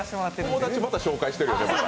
友達また紹介してるよね。